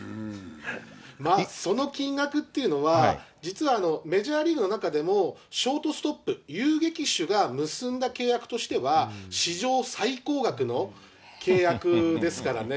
まあその金額っていうのは、実はメジャーリーグの中でもショートストップ、遊撃手が結んだ契約としては史上最高額の契約ですからね。